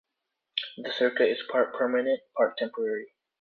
The circuit is part permanent, part temporary.